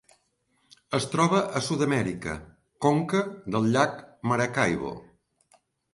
Es troba a Sud-amèrica: conca del llac Maracaibo.